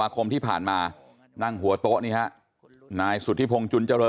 คำถาม